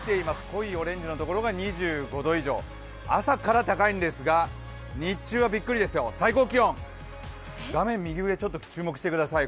濃いオレンジのところが２５度以上、朝から高いんですが、日中はびっくりですよ、最高気温、画面右上、ちょっと注目してください。